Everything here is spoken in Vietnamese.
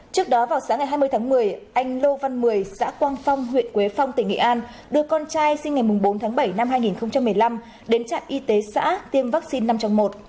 trước đó vào sáng ngày hai mươi tháng một mươi anh lô văn mười xã quang phong huyện quế phong tỉnh nghệ an đưa con trai sinh ngày bốn tháng bảy năm hai nghìn một mươi năm đến trạm y tế xã tiêm vaccine năm trong một